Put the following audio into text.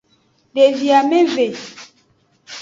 Devi ameve.